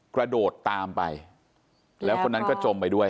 กระโดดตามไปแล้วคนนั้นก็จมไปด้วย